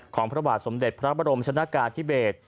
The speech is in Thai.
พระบาทสมเด็จพระบรมชนะกาธิเบศ